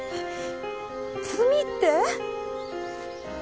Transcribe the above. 罪って？